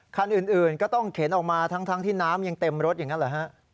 คันอื่นก็ต้องเข็นออกมาทั้งที่น้ำยังเต็มรถอย่างนั้นเหรอฮะ